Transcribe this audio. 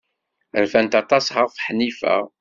Rfant aṭas ɣef Ḥnifa.